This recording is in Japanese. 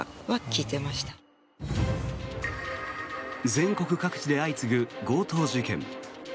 全国各地で相次ぐ強盗事件。